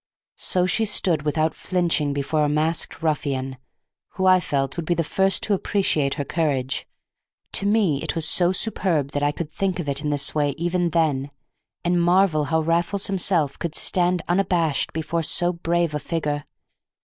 So she stood without flinching before a masked ruffian, who, I felt, would be the first to appreciate her courage; to me it was so superb that I could think of it in this way even then, and marvel how Raffles himself could stand unabashed before so brave a figure.